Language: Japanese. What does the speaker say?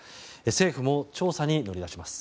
政府も調査に乗り出します。